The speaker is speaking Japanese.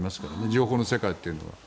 情報の世界というのは。